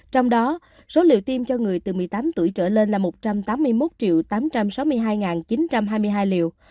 trong đó số liệu tiêm cho người từ một mươi tám tuổi trở lên là một trăm tám mươi một tám trăm sáu mươi hai chín trăm hai mươi hai liều